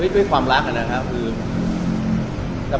ด้วยความลักนะครับ